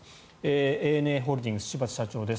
ＡＮＡホールディングスの芝田社長です。